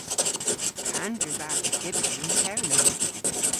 Pandr'a wrav vy dybri yn Kernow?